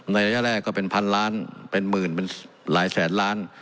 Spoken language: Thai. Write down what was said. ระยะแรกก็เป็นพันล้านเป็นหมื่นเป็นหลายแสนล้าน